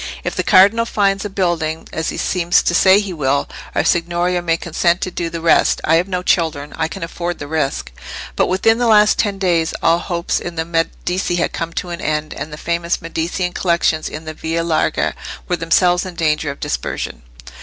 "If the cardinal finds a building, as he seems to say he will, our Signoria may consent to do the rest. I have no children, I can afford the risk." But within the last ten days all hopes in the Medici had come to an end: and the famous Medicean collections in the Via Larga were themselves in danger of dispersion.